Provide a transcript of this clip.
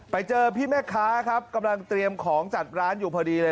ไปเจอพี่แม่ค้าครับกำลังเตรียมของจัดร้านอยู่พอดีเลย